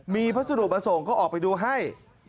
มีพัสดุประสงค์ก็ออกไปดูให้